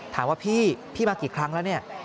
ถามว่าพี่มากี่ครั้งแล้วเนี่ย